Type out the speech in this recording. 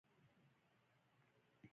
انسان په خپل ژوند کې ډله ایز کار کوي.